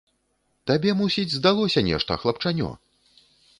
Табе, мусіць, здалося нешта, хлапчанё!